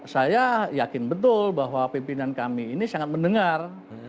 saya yakin betul bahwa pimpinan kami ini sangat mendengar